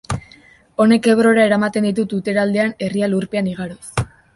Honek Ebrora eramaten ditu Tutera aldean, herria lurpean igaroz.